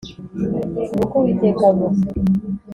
Umva uko Uwiteka avuga